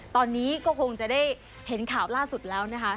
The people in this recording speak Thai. ตอนนี้ก็คงจะได้เห็นข่าวล่าสุดแล้วนะคะ